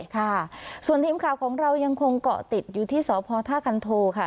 ค่ะส่วนทีมข่าวของเรายังคงเกาะติดอยู่ที่สพท่าคันโทค่ะ